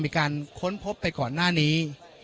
มีการค้นพบไปก่อนหน้านี้